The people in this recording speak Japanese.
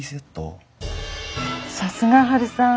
さすがハルさん。